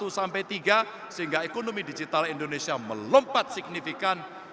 sehingga ekonomi digital indonesia melompat signifikan